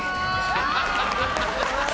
ハハハハ！